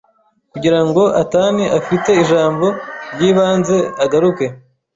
Kugirango atani afite ijambo ryibanze agaruke ]